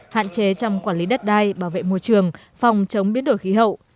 hạn chế trong quản lý đất đai bảo vệ môi trường phòng chống biến đổi khí hậu